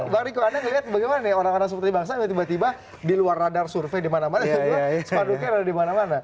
bang riko anda melihat bagaimana nih orang orang seperti bang sam tiba tiba di luar radar survei dimana mana spanduknya ada di mana mana